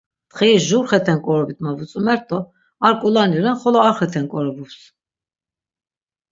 Mtxiri jur xeten k̆orobit ma vutzumer do ar k̆ulani ren, xolo ar xeten k̆orobups.